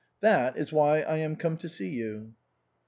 That is why I am come to see you."